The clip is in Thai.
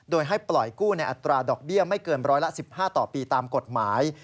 โดยให้ปล่อยกู้ในอัตราดอกเบี้ยไม่เกินร้อยละ๑๕ต่อปีตามกฎหมาย